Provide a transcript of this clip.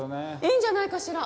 いいんじゃないかしら。